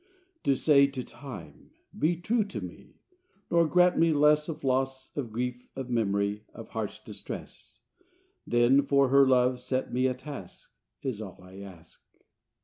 To say to Time, Be true to me, Nor grant me less Of loss, of grief, of memory, Of heart's distress: Then for her love set me a task, Is all I ask.